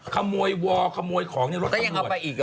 ขโมยวอร์ขโมยของนี่รถตำรวจก็ยังเอาไปอีกเหรอ